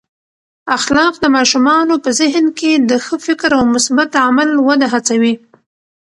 اخلاق د ماشومانو په ذهن کې د ښه فکر او مثبت عمل وده هڅوي.